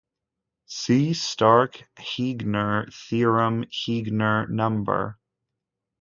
See Stark-Heegner theorem, Heegner number.